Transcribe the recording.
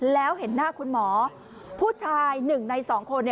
แล้วเห็นหน้าคุณหมอผู้ชาย๑ใน๒คน